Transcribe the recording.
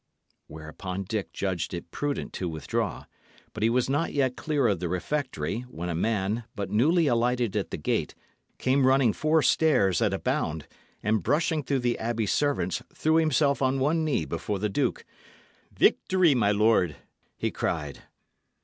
Whereupon Dick judged it prudent to withdraw; but he was not yet clear of the refectory, when a man, but newly alighted at the gate, came running four stairs at a bound, and, brushing through the abbey servants, threw himself on one knee before the duke. "Victory, my lord," he cried.